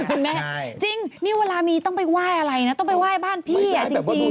คุณแม่จริงนี่เวลามีต้องไปไหว้อะไรนะต้องไปไหว้บ้านพี่จริง